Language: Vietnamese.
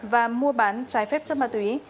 và mua bán trái phép chất ma túy